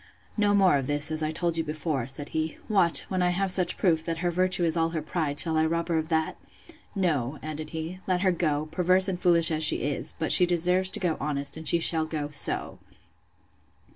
No more of this, as I told you before, said he: What! when I have such proof, that her virtue is all her pride, shall I rob her of that?—No, added he, let her go, perverse and foolish as she is; but she deserves to go honest, and she shall go so!